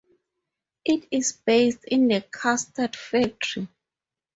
It is based in the Custard Factory.